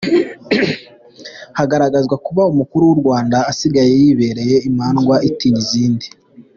Harahagazwe, kuba Umukuru w’u Rwanda asigaye yaribereye imandwa itinya izindi.